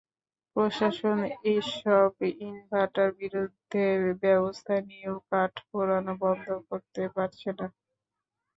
প্রশাসন এসব ইটভাটার বিরুদ্ধে ব্যবস্থা নিয়েও কাঠ পোড়ানো বন্ধ করতে পারছে না।